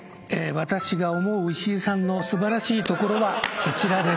私が思う石井さんの素晴らしいところはこちらです。